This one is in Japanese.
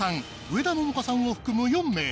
上田桃夏さんを含む４名。